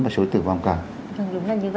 và số tử vong càng